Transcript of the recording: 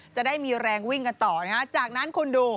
จะได้มีแรงวิ่งกันต่อนะฮะจากนั้นคุณดู